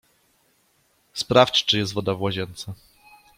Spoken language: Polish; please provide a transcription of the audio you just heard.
Sprawdź czy jest woda w łazience.